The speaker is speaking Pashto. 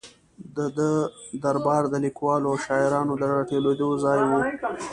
د ده دربار د لیکوالو او شاعرانو د را ټولېدو ځای و.